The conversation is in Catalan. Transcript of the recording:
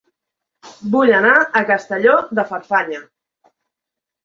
Vull anar a Castelló de Farfanya